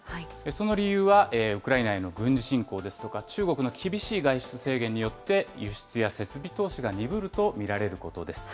その理由は、ウクライナへの軍事侵攻ですとか、中国の厳しい外出制限によって、輸出や設備投資が鈍ると見られることです。